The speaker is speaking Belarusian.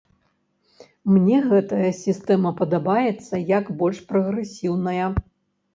Мне гэтая сістэма падабаецца, яна больш прагрэсіўная.